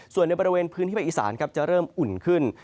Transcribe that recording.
ส่วนในบริเวณพื้นที่ภาคอีสานจะเริ่มอุ่นขึ้น